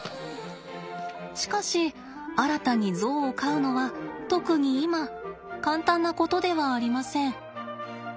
しかし新たにゾウを飼うのは特に今簡単なことではありません。